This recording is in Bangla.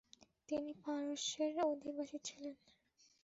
তিনি পারস্যের অধিবাসী ছিলেন।